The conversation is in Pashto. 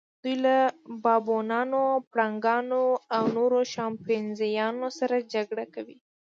دوی له بابونانو، پړانګانو او نورو شامپانزیانو سره جګړه کوي.